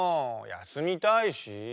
やすみたいし。